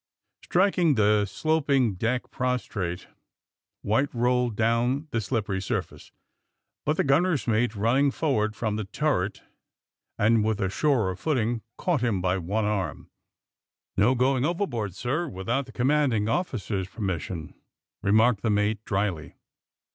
Striking the sloping deck prostrate, White rolled down the slippery surface. But the gunner 's mate, running forward from the turret, and with a surer footing, caught him by one arm. *^No going overboard, sir, without the com manding officer's permission," remarked the mate dryly.